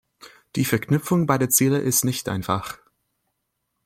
Die Verknüpfung beider Ziele ist nicht einfach.